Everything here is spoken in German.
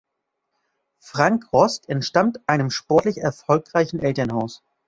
Frank Rost entstammt einem sportlich erfolgreichen Elternhaus.